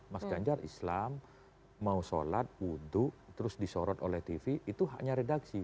mas ganjar islam mau sholat wudhu terus disorot oleh tv itu haknya redaksi